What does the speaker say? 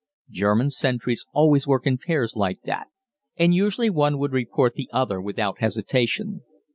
German sentries always work in pairs like that, and usually one would report the other without hesitation.